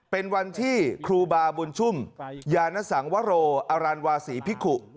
เป็นวันที่ครูบาบุญชุ่มยานสังวโรอรันวาศีพิกุ